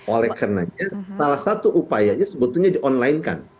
oleh karenanya salah satu upayanya sebetulnya di online kan